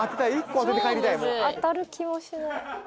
当たる気もしない。